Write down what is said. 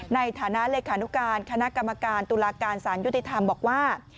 ในฐานะเลขานุการคณะกรรมการตุลาการสารยุติธรรมบอกว่า